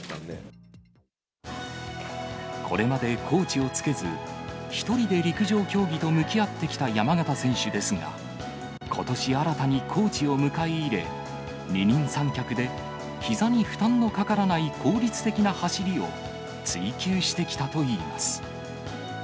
これまでコーチをつけず、１人で陸上競技と向き合ってきた山縣選手ですが、ことし新たにコーチを迎え入れ、二人三脚でひざに負担のかからない効率的な走りを追求してきたといいます。